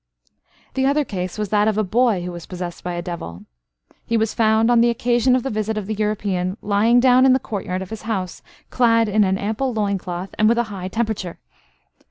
The other case was that of a boy, who was possessed by a devil. He was found, on the occasion of the visit of the European, lying down in the courtyard of his house, clad in an ample loin cloth, and with a high temperature.